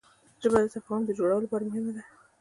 ژبه د تفاهم د جوړولو لپاره مهمه ده